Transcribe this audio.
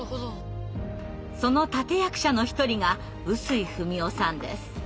その立て役者の一人が臼井二美男さんです。